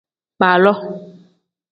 Baaloo.